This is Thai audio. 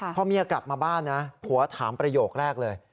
พอเมียกลับมาบ้านนะผัวถามประโยคแรกเลย